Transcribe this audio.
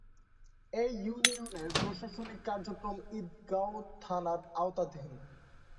এ ইউনিয়নের প্রশাসনিক কার্যক্রম ঈদগাঁও থানার আওতাধীন।